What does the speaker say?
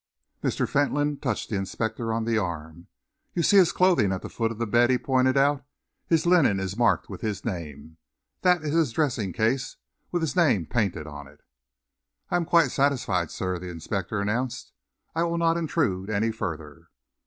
Mr. Fentolin touched the inspector on the arm. "You see his clothing at the foot of the bed," he pointed out. "His linen is marked with his name. That is his dressing case with his name painted on it." "I am quite satisfied, sir," the inspector announced. "I will not intrude any further."